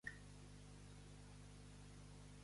Fins a quants anys va viure Issacar?